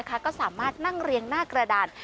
ก็สามารถนั่งเรียงหน้ากระดาน